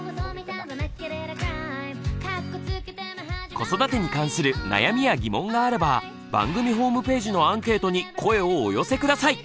子育てに関する悩みや疑問があれば番組ホームページのアンケートに声をお寄せ下さい。